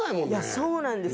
そうなんです